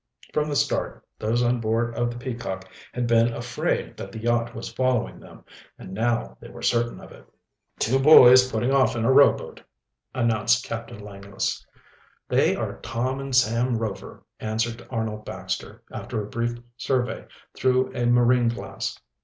From the start those on board of the Peacock had been afraid that the yacht was following them, and now they were certain of it. "Two boys putting off in a rowboat," announced Captain Langless. "They are Tom and Sam Rover," answered Arnold Baxter, after a brief survey through a marine glass.